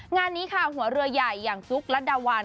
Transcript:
งานนี้ค่ะหัวเรือใหญ่อย่างซุกรัฐดาวัน